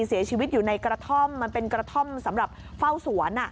เสียชีวิตอยู่ในกระท่อมมันเป็นกระท่อมสำหรับเฝ้าสวน